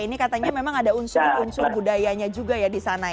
ini katanya memang ada unsur unsur budayanya juga ya di sana ya